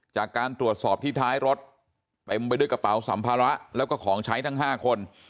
จากการตรวจสอบที่ท้ายรถเต็มไปด้วยกระเป๋าสัมภาระแล้วก็ของใช้ทั้ง๕คน